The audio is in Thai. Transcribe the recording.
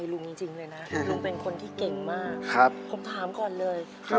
ลุงเป็นคนที่เก่งมากครับผมถามก่อนเลยครับ